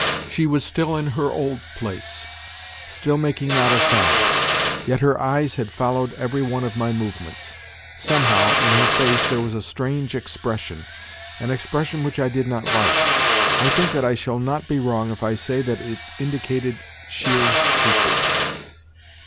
She was still in her old place—still making not a sound. Yet her eyes had followed every one of my movements. Somehow in her face there was a strange expression—an expression which I did not like. I think that I shall not be wrong if I say that it indicated sheer hatred.